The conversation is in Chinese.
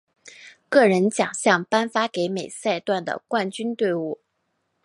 个人奖项颁发给每赛段的冠军队伍。